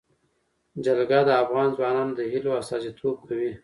جلګه د افغان ځوانانو د هیلو استازیتوب کوي.